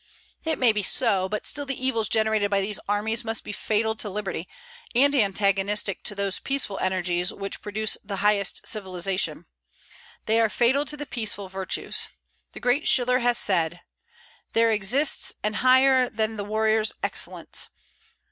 It may be so; but still the evils generated by these armies must be fatal to liberty, and antagonistic to those peaceful energies which produce the highest civilization. They are fatal to the peaceful virtues. The great Schiller has said: "There exists An higher than the warrior's excellence.